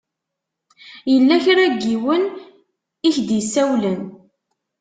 Yella kra n yiwen i ak-d-isawlen.